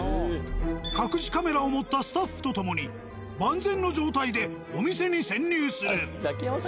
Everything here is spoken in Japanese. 隠しカメラを持ったスタッフと共に万全の状態でお店に潜入する。